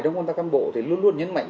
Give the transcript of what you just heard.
đối với các cán bộ thì luôn luôn nhấn mạnh